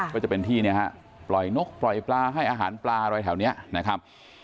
ก็จะเป็นที่เนี่ยฮะปล่อยนกปล่อยปลาให้อาหารปลาอะไรแถวนี้นะครับ